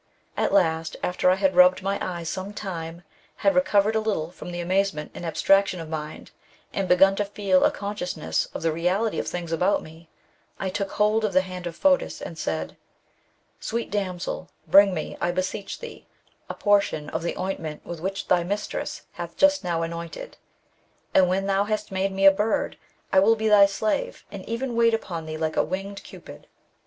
... At last, after I had rubbed my eyes some time, had recovered a little from the amaze ment and abstraction of mind, and begun to feel a consciousness of the reality of things about me, I took hold of the hand of Fotis and said, —* Sweet damsel, bring me, I beseech thee, a portion of the ointment with which thy mistress hath just now anointed, and when thou hast made me a bird, I will be thy slave, and even wait upon thee like a winged Cupid.